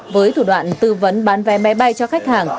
với thủ đoạn tư vấn bán vé máy bay cho khách hàng